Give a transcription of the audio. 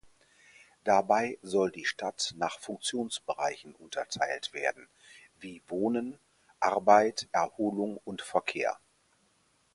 Dabei soll die Stadt nach Funktionsbereichen unterteilt werden wie Wohnen, Arbeit, Erholung und Verkehr.